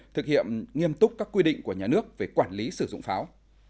thực hiện nghiêm túc các quy định của nhà nước về quản lý sử dụng pháo